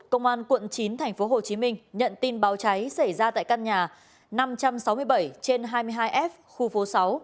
công an quận chín tp hcm nhận tin báo cháy xảy ra tại căn nhà năm trăm sáu mươi bảy trên hai mươi hai f khu phố sáu